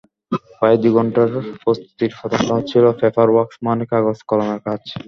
প্রায় দুই ঘণ্টার প্রস্তুতির প্রথম ধাপ ছিল পেপার ওয়ার্কস মানে কাগজ-কলমের কাজ।